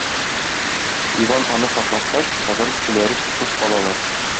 Иван аны шартлаткач, Казан кешеләре сусыз калалар.